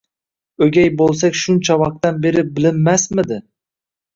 O'gay bo'lsak shuncha vaqtdan beri bilinmasmidi?!